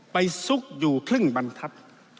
ไปซุกอยู่ครึ่งบรรทับ